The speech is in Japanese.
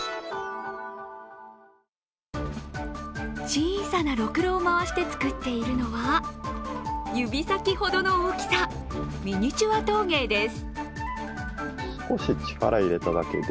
小さなろくろを回して作っているのは指先ほどの大きさ、ミニチュア陶芸です。